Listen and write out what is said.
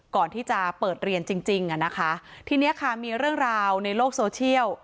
ก่อนที่จะเปิดเรียนจริงจริงอ่ะนะคะทีเนี้ยค่ะมีเรื่องราวในโลกโซเชียล